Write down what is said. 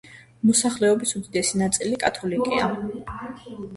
მოსახლეობის უდიდესი ნაწილი კათოლიკეა.